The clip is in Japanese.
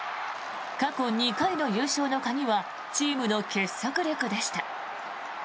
過去２回の優勝の鍵はチームの結束力でした。